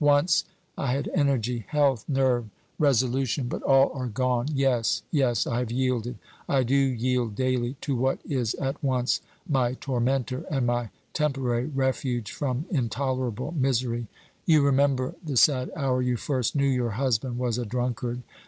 Once I had energy health nerve resolution; but all are gone: yes, yes, I have yielded I do yield daily to what is at once my tormentor and my temporary refuge from intolerable misery. You remember the sad hour you first knew your husband was a drunkard.